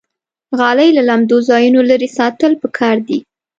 غالۍ له لمدو ځایونو لرې ساتل پکار دي.